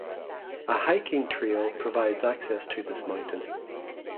A hiking trail provides access to this mountain.